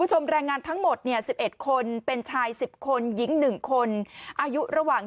ผู้ชมแรงงานทั้งหมดเนี่ยสิบเอ็ดคนเป็นชายสิบคนหญิงหนึ่งคนอายุระหว่าง